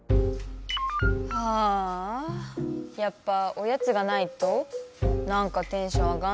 はぁやっぱおやつがないとなんかテンション上がんないよね。